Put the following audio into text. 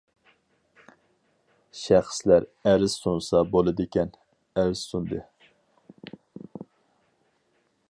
شەخسلەر ئەرز سۇنسا بولىدىكەن، ئەرز سۇندى.